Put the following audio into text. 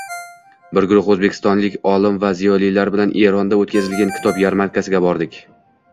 Bir guruh oʻzbekistonlik olim va ziyolilar bilan Eronda oʻtkazilgan kitob yarmarkasiga bordik